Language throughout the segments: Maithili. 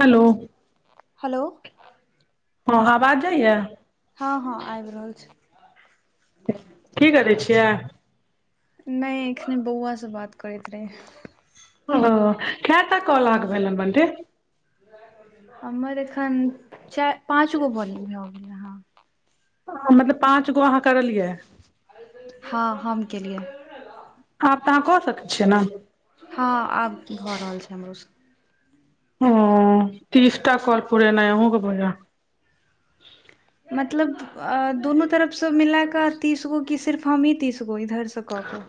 हेलो हलो हं आबाज जाइए हँ हँ आबि रहल छै की करै छियै नइ एखने बौआसँ बात करैत रहियै ओ केता कोल [unintelligible] भेलन बटे हमर एखन चा पाँच गो को भ गेलै हँ मतलब पाँच गो अहाँ करलियै हँ हम केलियै आब तऽ अहाँ कऽ सकैत छियै ने हँ आब भऽ रहल छै हमरो स ओ तीसटा कॉल पुरेनाइ अहुं के भ जेत मतलब अ दुनू तरफ स मिला क तीस गो की सिर्फ हमी तीसगो फेर से कऽ कऽ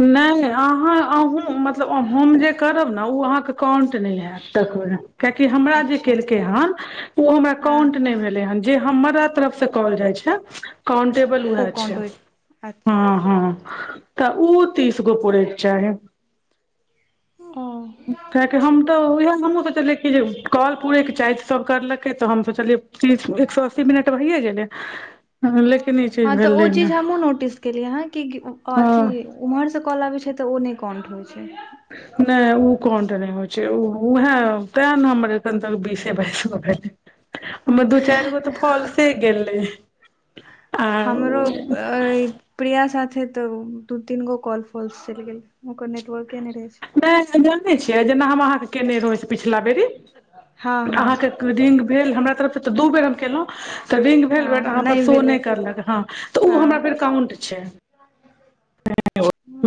नइ नइ अहाँ अहूं मतलब हम जे करब ने ओ अहाँके काउंट नइ हैत देखबै आंहा कआकि हमरा जे अच्छा केलकै हन ओ हमर हँ अकाउंट नहि भेले हन जे हमरा तरफ से काॅल जाइ छै काउंटेबल ओ उएह काउंट छै होइ अच्छा हँ हँ ऊ तीस गो पड़ैके चाहे ओ कियकि हम तऽ उएह हमहूँ सोचलियै कि जे कल पूरयके चा सभ करलकै तऽ हम सोचलियै ती एक सौ अस्सी मिनट भैए गेलै लेकिन ई चीज हँ तऽ ओ भेलै ने चीज हमहूँ नोटिस केलियै अहाँ कि अथी ओम्हरसँ कल आबैत छै तऽ ओ नहि काउण्ट होइ छै नहि ओ काउण्ट नहि होइ छै उह तै ने हमर एखन तक बीसे बास ग [unintelligible] भेट हमर दू चारि गो तऽ फोलसे गेलै आर ऐ प्रिया साथे तऽ दू तीन गो कॉल फॉल्स चलि गेल ओकर नेटवर्के नहि रहै छै नहि जानै छियै जेना हम अहाँके केने रहौं पिछला बेरी हँ अहाँके हँ रिंग भेल हमरा तरफ से तऽ दू बेर तऽ रिंग भेल हँ बट आहां नहि शो भेलै नइ करलक हँ तऽ ओ हमरा हँ फेर काउंट छै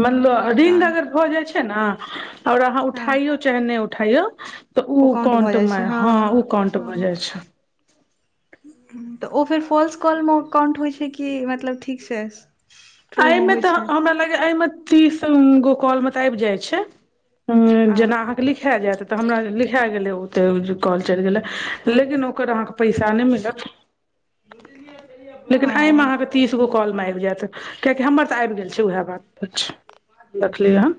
मतल [unintelligible] पता रिंग नहि अगर भऽ जाइ छै ने आओर अहाँ हँ उठाइो चेन नहि उठाइया तऽ ओ उ भऽ काउंट जाइ मे छै हँ उ काउंट भऽ हँ जाइ छै तऽ ओ फेर फाॅल्स कॉलमे काउंट होइ छै कि मतलब ठीक से अइमे तऽ हमरा लागैय अइमे तीस गो कॉल मे तऽ आबि जाइ छै ह आ जेना अहा लिखाए जायत तऽ हमरा लिखा गेलै ओतेक कॉल चलि गेलै लेकिन ओकर अहाँके पैसा नइ मिलत रिय [inaudible] लेकिन एहिमे अहाँके तीस गो कॉलमे आबि जायत कियाकि हमर तऽ आबि गेल छै उएह बात देखलियै हन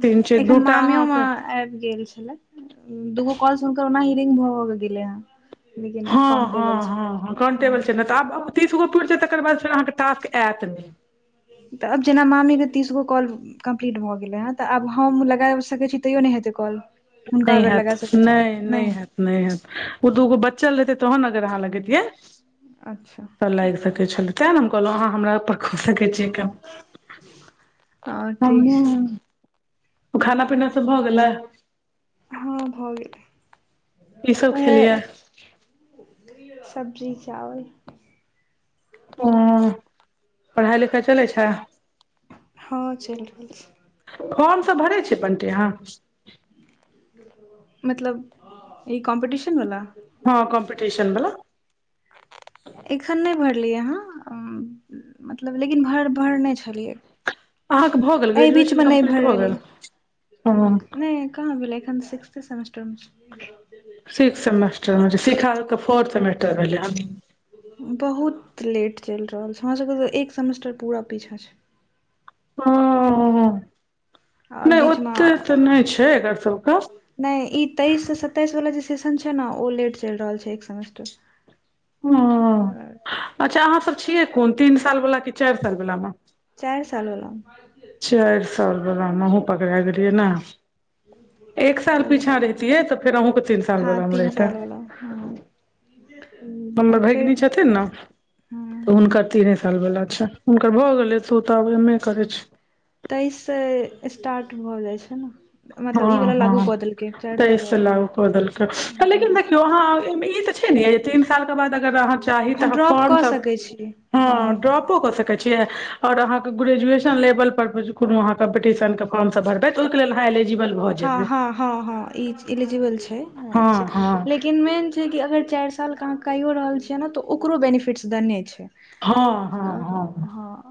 तीन छै एखन दूटा मामियो मा अहाँके आबि गेल छला दूगो कॉल हुनकर ओना हिरिंग भऽ भ गेलै हे हँ हँ हँ हँ कन टेबल छै ने त आब अपतीस गो पुुरै जात तकर बाद फेर अहाँके टास्क आयत नहि तऽ अब जेना मामी के तीसगो कॉल कम्प्लीट भऽ गेलै हे तऽ आब हम लगा सकै छी तैयो नइ हेतै कॉल हुनका नहि अगर हैत लगा सकैत छी नहि नहि हैत नहि ह ओ दूगो बच्चल रहतै तहन अगर अहाँ लगेतियै अच्छा लैग सकै छलइ तें ने हम कहलौं हमरा पर कऽ सकै छीयै के हँ ठीक छै हमहुँ खाना पीना सब भऽ गेलै हँ भऽ गेलै कि सब खेलिय सब्जी चावल ओह पढ़ाई लिखाई चलै छै हँ चैल रहल छै फर्म सब भरै छइ बन्टी अहाँ मतलब ई कॉम्पिटिशनवला हँ कम्पिटशन बला एखन नहि भरलियै हं मतलब लेकिन भर भरने छलियै अहाँके भऽ गेल एहि ग्रेजुएशन बीचमे नहि कम्प्लीट भरि भऽ गेल ह काँहा भेलै एखन सिक्स्थ सेमेस्टरमे सिक्स सेमेस्टर शिखा फोर्थ सेमेस्टर भेलै हन बहुत लेट चलै रहल छै हमरासबके तऽ एक सेमेस्टर पूरा पीछाँ छै हं आओर नइ बीचमे ओते तऽ नइ छै एकर सबके नहि ई तेइस से सताइस वला जे सेशन छै न ओ लेट चलै रहल छै एक सेमेस्टर ह हँ [unintelligible] अच्छा अहाँ सब छियै कोन तीन साल वाला कि चारि साल वला मे चारि साल वला मे चारि साल बलामे अहुँ पकड़ाए गेलियै नै एक साल तऽ पीछा रैहतियै तऽ फेर अहुंके तीन साल हँ बला मे तीन रहिता साल वाला हँ हमर आओर फेर भैगिनी छथिन न हँ हुनकर तीने साल वाला छै हुनकर भए गेलै तू तऽ आब एमे करे छै तेइस से स्टार्ट भऽ जाइ छै न हँ हँ तइस वाला लागू क देलकै हँ अहाँ ड्रॉप कऽ त [inaudible] सकै छी हँ ह ड्रॉपो क सकैत छीय और अहाँ के ग्रेजुएशन लेवल पर कोनो अहाँ कम्पटीशन के काम सब भरबै त ओइके लेल हाइएलिज ह ह हँ हँ एलिजिबल छै हँ ई छै हँ लेकिन मेन जेकि अगर चारि सालके अहाँ कइयओ रहल छियै न तऽ ओकरो बेनिफिट्स देने छै हँ हँ हँ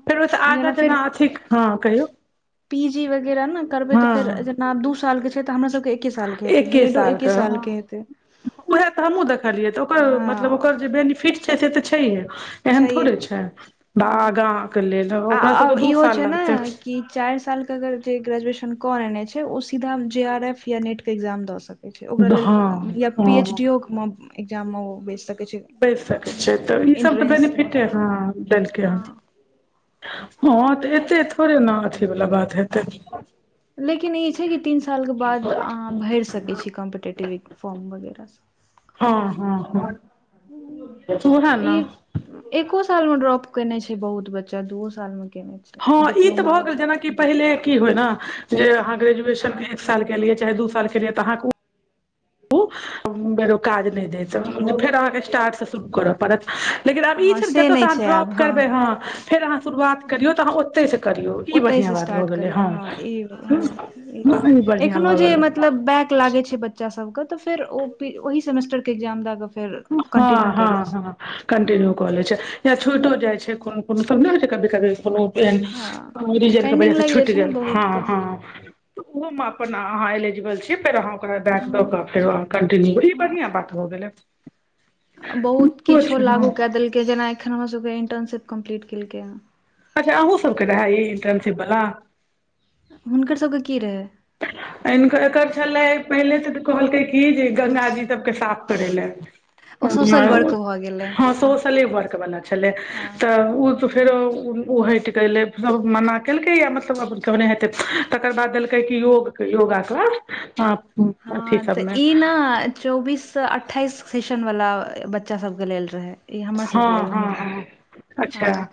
तैमेस सँ आगाँ जेना अथी हँ कहियौ पी जी वगैरह न करबै तऽ फेर हँ जेना दू साल के छै तऽ हमरा सबके एके साल के हेतै बी एडो एके साल के हेतै उएह तऽ हमहूँ देखलियै तऽ ओकर हँ मतलब ओकर जे बेनिफिट छै से तऽ छैहे एहन छैहे थोड़े छै बागाँ हँ के लेल ओकरा सबके दू साल लगते ई चारि साल के अगर जे ग्रेजुएशन कऽ लने छै ओ सीधा जे आर एफ या नीटके एक्जाम दऽ सकै ओकरा हँ लेल य पी एच हँ डी ओ मे एक्जाम मे ओ बैस सक बचि सकै छै तऽ ईसभ तऽ एन्ट्रेंसमे बेनिफिटे हँ देलकै हन हँ हँ तऽ इहो सब एतै छै थोड़े ने अथीवला बात हेतै लेकिन ई छै कि तीन सालके बाद अहाँ भरि सकैत छी कॉम्पिटेटिव फॉर्म वगैरह हँ हँ हँ उएहे ना ई एको साल मे ड्रॉप केने छै बहुत बच्चा दूओ साल मे केने छै हँ ई तऽ डिप्लोमा भऽ गेल जेनाकि पहिले की रहै न जे अहाँ ग्रेजुएशन एक साल कैलियै चाहे दू साल कैलियै तऽ अहाँके उ उ बेर ओ काज नहि दैत फेर अहाँके स्टार्ट से शुरू करत परत लेकिन आब ई हँ छै ने जत से नहि अहां छै आब ड्रॉप हँ करबै हंँ फेर अहाँ शुरुआत करियौ तऽ अहाँ ओतयसँ करियौ ई बढ़ियाँ ओतहिसँ बात भऽ स्टार्ट गेलै करियौ हँ ई हँ ई बढ़िआँ एखनो भऽ जे गेलै मतलब बैक लागे छै ब बच्चा सब केँ तऽ फेर ओ ओहि सेमेस्टर के इग्जाम दै कऽ फेर कन्टिन्यू हँ कए हँ लै छै हँ हँ कन्टिन्यू क लै छै या छुइटो जाय छै कोनो कोनो सब नहि होइ छै कभी कभी कोनो हँ रीजन के पेंडिंग वजह से लागि जाइ छुटि छै ने गेल हँ बहुतके हँ तऽ ओहो मे अपन अहाँ एलिजिबल छी फेर अहाँ ओकरा बैक द हँ क फेर कंटिन्यू इ हँ बढ़ियाँ बात हो गेलै बहुत नीको किछो छै लागू हँ कए देलकै जेना एखन हमरासभके इंटर्नशिप कम्प्लीट केलकै हेँ अच्छा अहूँ सबके रहै ई इंटर्नशिप वाला हुनकर सबके की रहै [inaudible] एकर छलै पहिले तऽ कहलकै की जे गंगाजी सबके साफ करै लए ओ सोशल वर्क भऽ गेलै हँ सोशले वर्क बला छलै हँ तऽ ओ त फेरो ओ हटि गेलै सब मना केलकै या मतलब के हेतै तकर बाद देलकै कै योग के योगा के हँ तऽ ई नै चौबीस से अठ्ठाइस सेशन वला बच्चा सभके लेल रहै ई हमर सबके हँ लेल नहि हँ रहै हँ अच्छा हँ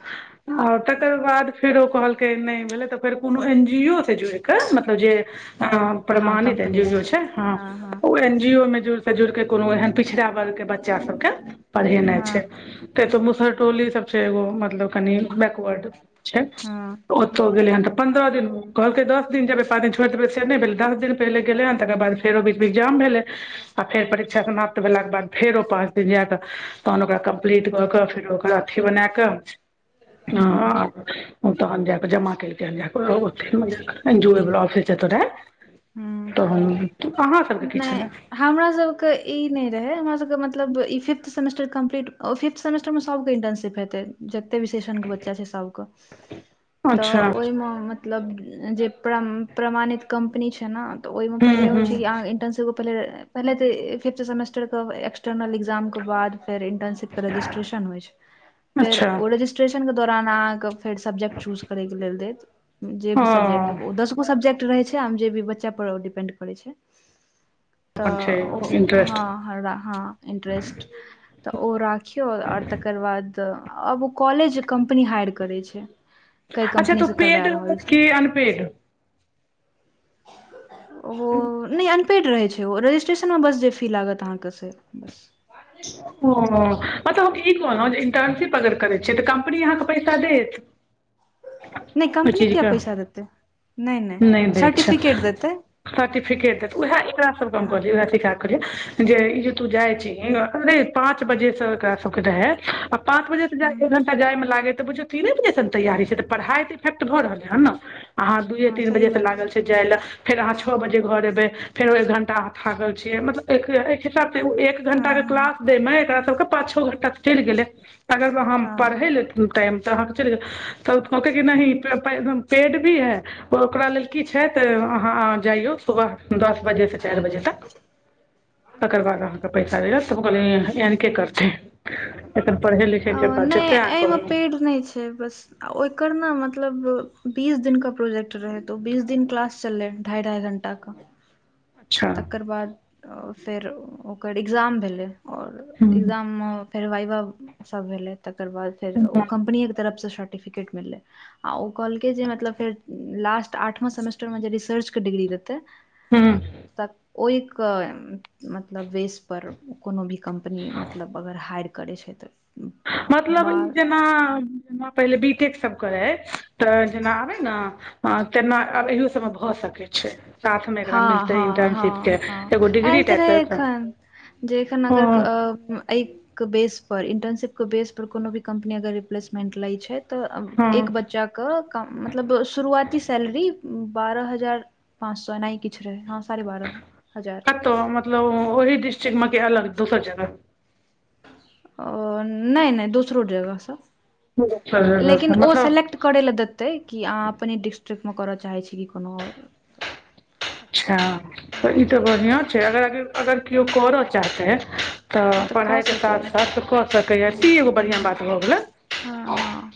आ तकर बाद फेर ओ कहलकै नहि भेलै तऽ फेर कोनो एन जी ओ से जुड़ि क मतलब जे हँ हँ प्रमाणित एन कम्पनी जी ओ जो से छै हँ ओ एन जी ओ मे जुड़ि से जुड़ि के कोनो एहन पिछड़ा वर्ग के बच्चा सबके पढ़ेनाइ हँ छै तऽ तो मुसहरटोली सब छै एगो मतलब कनी बैकवर्ड छै तऽ हँ ओतौ गेलै हन तऽ पंन्द्रह दिन कहलकै दस दिन जेबे पाँच दिन छोड़ देबे से नहि भेले दस दिन पहिले गेले ह तकर बाद फेरो बीज मे एगजाम भेलै आ फेर परीक्षा समाप्त भेलाके बाद फेर ओ पाँच दिन जाकऽ तहन ओकरा क [unintelligible] ट कऽ के फेर ओकर अथी बना क [unintelligible] ओ तहन जाक जमा कैलकै हन जाकऽ एन जी ओ बला औफिस जत रहै हँ तऽ अहाँ सबके की नहि छलए हमरा सबके ई नहि रहै हमर सबके मतलब ई fifth semester complete fifth semester मे सबके इन्टरर्नशिप हेतै जते भी शेषण के बच्चा छै सबके तऽ अच्छा ओहिमे मतलब जे प्रमाणित कम्पनी छै ने तऽ ओहिमे हूँ पहिले होइ हूँ छै कि अहाँके इन्टर्नशिप पहले पहले तऽ फिफ्थ सेमेस्टर के बाद एक्सटर्नल के बाद फेर इन्टर्नशिप रजिस्ट्रेशन होइ छै फेर अच्छा ओ रजिस्ट्रेशन के दौरान अहाँके फेर सब्जेक्ट चूज करै के लेल देत जे भी हँ सब्जेक्ट ओ दसगो सब्जेक्ट रहे छै आम जे भी बच बच्चा पर ओ डिपेंड करै छै अपन छै तऽ ओ इंटरेस्ट हँ हमरा हँ इन्ट्रेस्ट तऽ ओ राखियौ आओर तकर बाद आब ओ कॉलेज कम्पनी हाइर करै छै कै अच्छा तऽ ओ कम्पनीसँ पेड करबा रहल रहत छै की अनपेड ओ नहि अन [unintelligible] पेड रहै छै ओ रजिस्ट्रेशन मे बस जे फी लागत अहाँके से बस ओ मतब ईग ब हँ ने इन्टर्नशिप अगर [unintelligible] करै छियै त कंपनी अहाँके पैसा देत नहि ओहि कम्पनी क्या चीजके पैसा देते नहि दै छल सर्टिफिकेट देत उएह एकरा सब क हँ कहलएह स जे ई जे तू जाइ छी पाँच बजे से ओकरा सबके रहै आ पाँच बजे से हँ जा जाय मे लागै तऽ बुझियौ तीने बजेस तैयी छै तऽ पढ़ाइ तऽ लिखाइ त भऽ रहल हन ने अहाँ दूए हँ तीन सही बजे से बात लागल छै जाय ले आँहा छो बजे घर ऐबे फेर एक घण्टा आँहा थाकल छिये मतलब एक हिसाब से एक हँ घंटा के क्लास छै ने एकरा सभ के पाँच छौ घण्टा त चयल गले तकर बाद हँ पढाय ले कोनो टाइम कहलके की नहि पेड भी है ओकरा लेल की छै तऽ अहाँ जइयौ सुबह दस बजेसँ चारि बजे तक तकर बाद अहाँके पैसा दैत तऽ कहलै एन केे करते एखन परे लिखे के हँ बात छै नहि ते एहिमे कहलो पेड नहि बस आओकर न मतलब बीस दिन के प्रोजेक्ट रहै त बीस दिन क्लास चललै ढ़ाई ढ़ाई घण्टा के [inaudible] तकर बाद फेर ओकर एग्जाम भेलै आओर हूँ एग्जाममे फेर वाइबा सब भेलै तकर बाद फेर ओ कम्पनिये के तरफसँ सर्टिफिकेट मिललै आ ऊ कहलकै जे मतलब फेर लास्ट आठव सेमेस्टर मे जे रिसर्च के डिग्री देते हूँ तऽ ओ एक मतलब वेस [unintelligible] पर कोनो भी कम्पनी मतलब अगर हाइर करै छै तऽ मतलब ई बार जेना पहिले बी टेक सब करे तऽ जेना आबे ने ह तेना आब एहु सभमे भऽ सकैत छै साथ मे एकरा हँ मिलतै हँ इंटर्नशिप हँ के एगो डिग्री टाइप जेखन अगर हँ अ के बेसपर इन्टर्नशिपके बेसपर कोनो भी कम्पनी अगर रिप्लेसमेन्ट लै छै त हँ एक बच्चा क मतलब शुरूआती सैलरी बारह हजार पाँए [unintelligible] नहि किछ रहै हँ सारे बारह हजार कतऽ मतलब ओहि डिस्ट्रिक्ट मे अलग दोसर जगह अ नहि नहि दोसरो जगह सँ दोसर जगह से लेकिन ओ मतलब सेलेक्ट करे लए देतै कि अहाँ अपने डिस्ट्रिक्टं करऽ चाहे छी कि कोन्हो अच्छा तऽ ई तऽ हँ बढ़िआँ छै अगर अगर केओ करय चाहतै त तऽ कऽ पढ़ाइ के साथ सकैए साथ क सकैय की एगो बढ़िया बात भ गेलै हँ अह हँ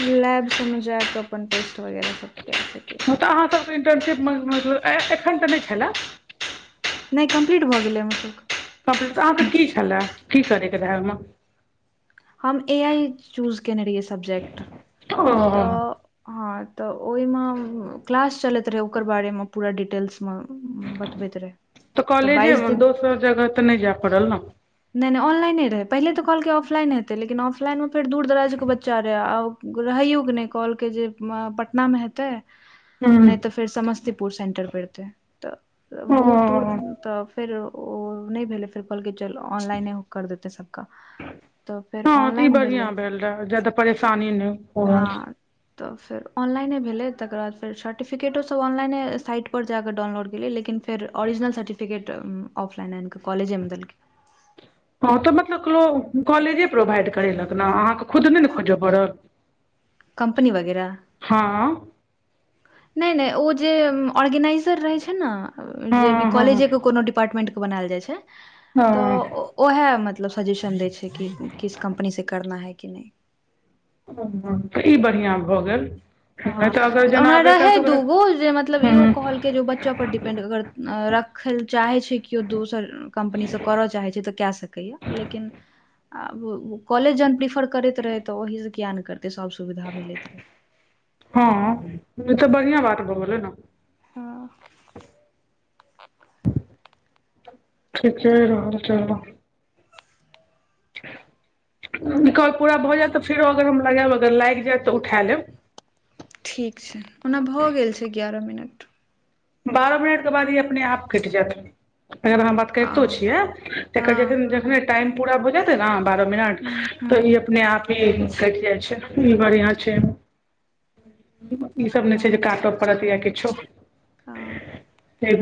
लैब सब में जाय के अपन टेस्ट वगैरह सब के सकै अहाँ सभके इंटर्नशिप मे मतलब एखन त ने छलै नहि कम्प्लीट भऽ गेलै हमरसब के कम्पलीट तऽ अहाँके की छलै की करयके रहै ओहिमे [unintelligible] हम ए आइ चूज कयने रहियए सब्जेक्ट मे ओ तऽ हँ तऽ ओहिमे क्लास चलैत रहै ओकर बारेमे पूरा डिटेल्स बतबैत रहै त बाइस दिन केयो जगह तऽ नहि जाय पड़ल ने नहि नहि ऑनलाइने रह पहिले तऽ कहलकै ऑफलाइन हेतै लेकिन ऑफलाइनमे फेर दूर दराजके बच्चा रहै आ रहैयो नहि कहलकै जे पटनामे हेतै हूँ नहि तऽ फेर समस्तीपुर सेंटर पड़तै तऽ बहुत दूर ओ तऽ फेर ओ नहि भेलै फेर कहलकै चल ऑनलाइने कर देतै सबका हँ तऽ ई बढ़िया भेल रहे ज्यादा परेशानी नहि हो त फेर ऑनलाइने भेलै तकर बाद फेर सर्टिफिकेटो सभ ऑनलाइने साइट पर ज क डाउनलोडेलियै लेकिने ओरिजिनल सर्टिफिकटऑफलाईन आन कऽ कॉलेजेमे देलकै हँ त मतलब लोक कॉलेजे प्रोवाइड करेलक ने अहाँके खुद नहि ने खोजय पड़ल कम्पनी वगैरह हँ नहि नहि ओ जे ऑर्गेनाइजर रहै छै ना जे भी हँ हँ कॉलेजे के कोनो डिपार्टमेंट के बनायल जाइ छै त हँ ओ ओह मतलब सजेशन दै छै कि किस कम्पनीसँ करना है कि नहि ह तऽ ई बढ़िआँ भऽ गेल हँ नहि तऽ अगर जेना ओना आब एकरा रहै सबके दूगो जे मतलब इहो कहल के जो बच्चा पर डिपेंड अगर रखय लए चाहै छै केओ दोसर कम्पनीसँ करय चाहै छै तऽ कए सकै कहिया लेकिन आ उ कॉलेज जखन प्रिफर करैत रहै तऽ ओहीसँ किएक नहि करतै सभ सुविधा मिलैत रहै हँ ई तऽ बढ़िआँ बात भ गेलै न हँ ठीके रहल छै क पूरा भऽ जायत तऽ फेरो अगर हम लगायब अगर लाग जायत तऽ उठा लेब ठीक छै ओना भऽ गेल छै ग्यारह मिनट बारह मिनट के बाद ई अपने आप कट जात अगरहाँ ब करितौ हँ छियै टाइम पूरा भ जेतै ने बारह मिनट ह ह त अपने आप इ कटि जाइ छै बढियां छै ईसभ नहि छै जे तहन ठीक काटय छै पड़त या किछो हँ